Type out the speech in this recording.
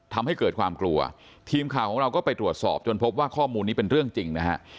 ทำให้เกิดความกลัวทีมข่าวของเราก็ไปตรวจสอบจนพบว่าข้อมูลนี้เป็นเรื่องจริงนะฮะ